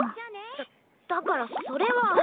だだからそれは。